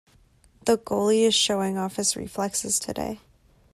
The goalie is showing off his reflexes today.